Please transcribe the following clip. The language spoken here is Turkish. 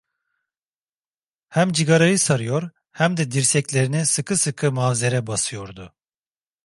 Hem cıgarayı sarıyor, hem de dirseklerini sıkı sıkı mavzere basıyordu.